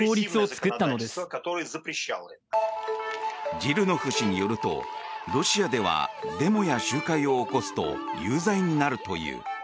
ジルノフ氏によるとロシアではデモや集会を起こすと有罪になるという。